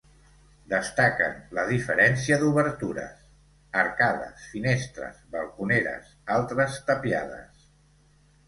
Destaquen la diferència d'obertures: arcades, finestres balconeres, altres tapiades.